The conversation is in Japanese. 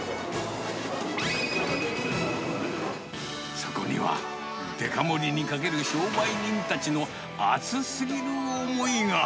そこには、デカ盛りにかける商売人たちの熱すぎる思いが。